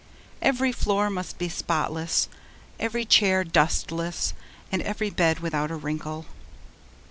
Every floor must be spotless, every chair dustless, and every bed without a wrinkle.